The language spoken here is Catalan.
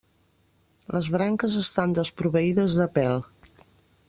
Les branques estan desproveïdes de pèl.